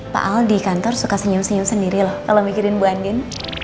pak al di kantor suka senyum senyum sendiri loh kalau mikirin bu andin